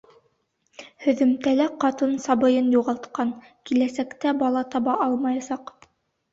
Һөҙөмтәлә ҡатын сабыйын юғалтҡан, киләсәктә бала таба алмаясаҡ.